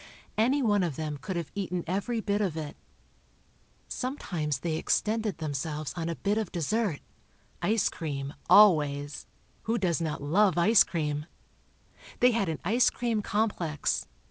Any one of them could have eaten every bit of it. Sometimes they extended themselves on a bit of dessert—ice cream, always—who does not love ice cream? They had an ice cream complex.